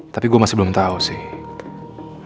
tapi gue masih belum tahu sih